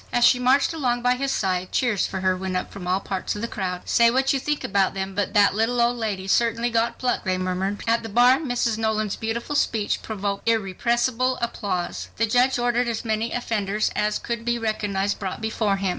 As she marched along by his side, cheers for her went up from all parts of the crowd. "Say what you think about them, but that little old lady has certainly got pluck," they murmured. At the bar Mrs. Nolan's beautiful speech provoked irrepressible applause. The judge ordered as many offenders as could be recognized brought before him.